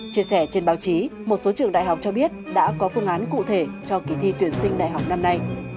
chia sẻ trên báo chí một số trường đại học cho biết đã có phương án cụ thể cho kỳ thi tuyển sinh đại học năm nay